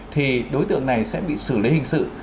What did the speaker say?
thì đối tượng này sẽ bị xử lý hình sự